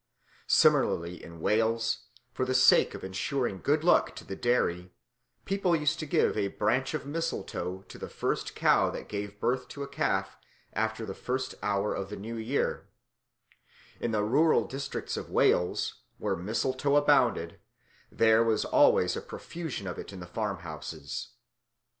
Similarly in Wales, for the sake of ensuring good luck to the dairy, people used to give a branch of mistletoe to the first cow that gave birth to a calf after the first hour of the New Year; and in rural districts of Wales, where mistletoe abounded, there was always a profusion of it in the farmhouses.